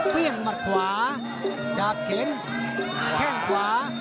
เพลี่ยงมัดขวาจากเข็นแข้งขวา